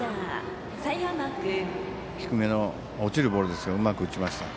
低めの落ちるボールうまく打ちました。